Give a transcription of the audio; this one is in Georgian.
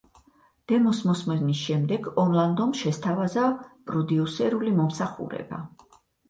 დემოს მოსმენის შემდეგ ორლანდომ შესთავაზა პროდიუსერული მომსახურება.